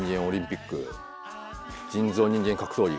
人造人間格闘技。